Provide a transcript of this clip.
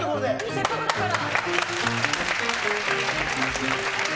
せっかくだから。